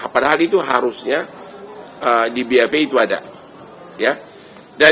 padahal itu harusnya di bap itu ada